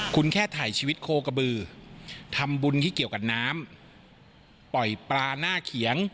คุณแค่ถ่ายชีวิตโคกระบือทำบุญที่เกี่ยวกับน้ำปล่อยปลาหน้าเขียง